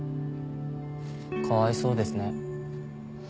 かわいそうですね。